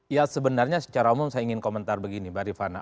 ya sebenarnya secara umum saya ingin komentar begini mbak rifana